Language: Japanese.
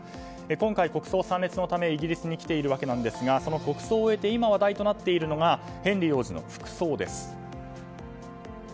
今回、国葬参列のためイギリスに来ていますが国葬を終えて今、話題となっているのがヘンリー王子の服装です。